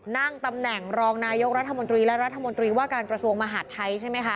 นั่งตำแหน่งรองนายกรัฐมนตรีและรัฐมนตรีว่าการกระทรวงมหาดไทยใช่ไหมคะ